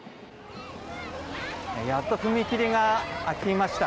やっと踏切が開きました。